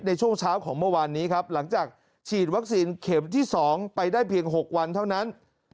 ในช่วงเช้าของเมื่อวานนี้ครับหลังจากฉีดวัคซีนเข็มที่๒ไปได้เพียง๖วันเท่านั้น